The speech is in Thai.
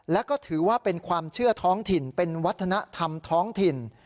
และก็ถือว่าเป็นความเชื่อท้องถิ่นเป็นวัฒนธรรมท้องถิ่น